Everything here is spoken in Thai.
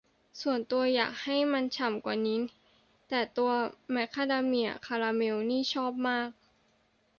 ส่วนตัวอยากให้มันฉ่ำกว่านี้ แต่ตัวแมคคาเดเมียคาราเมลนี่ชอบมาก